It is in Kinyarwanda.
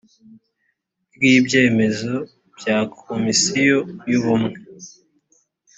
ry ibyemezo bya komisiyo yubumwe